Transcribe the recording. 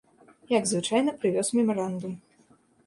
Як звычайна, прывёз мемарандум.